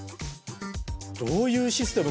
どういうシステム？